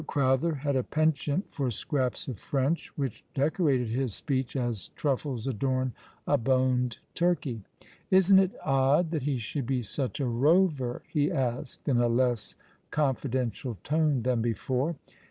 Crowther had a penchant for scraps of French, which decorated his speech as truffles adorn a boned turkey. " Isn't it odd that he should be such a rover ?" he asked, in a less confidential tone than before.